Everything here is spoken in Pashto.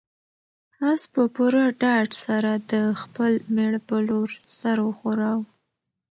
آس په پوره ډاډ سره د خپل مېړه په لور سر وښوراوه.